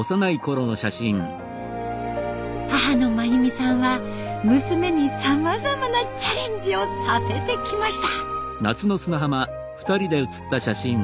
母の真由美さんは娘にさまざまなチャレンジをさせてきました。